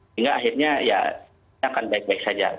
sehingga akhirnya ya akan baik baik saja